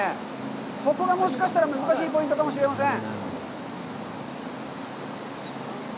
そこがもしかしたら難しいポイントかもしれません。